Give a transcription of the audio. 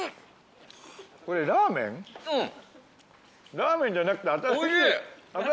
ラーメンじゃなくて。